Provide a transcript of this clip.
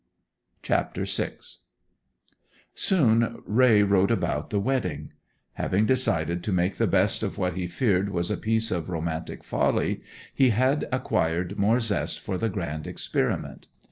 CHAPTER VI Soon Raye wrote about the wedding. Having decided to make the best of what he feared was a piece of romantic folly, he had acquired more zest for the grand experiment.